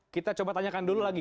kita coba tanyakan dulu lagi